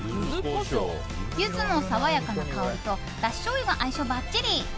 ユズの爽やかな香りとだししょうゆが相性ばっちり！